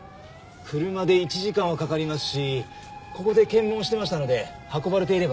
車で１時間はかかりますしここで検問をしてましたので運ばれていれば気づきます。